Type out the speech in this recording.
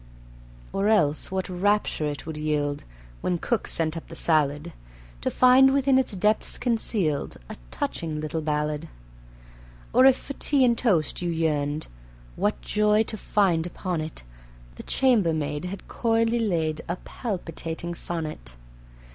Or else what rapture it would yield, When cook sent up the salad, To find within its depths concealed A touching little ballad. Or if for tea and toast you yearned, What joy to find upon it The chambermaid had coyly laid A palpitating sonnet.